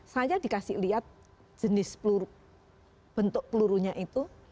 saya dikasih lihat jenis bentuk pelurunya itu